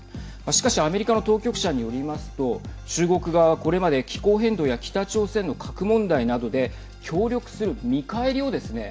しかしアメリカの当局者によりますと中国側はこれまで、気候変動や北朝鮮の核問題などで協力する見返りをですね